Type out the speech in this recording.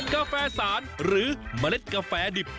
กาแฟสารหรือเมล็ดกาแฟดิบ